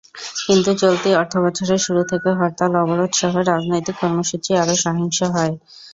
কিন্তু চলতি অর্থবছরের শুরু থেকে হরতাল, অবরোধসহ রাজনৈতিক কর্মসূচি আরও সহিংস হয়।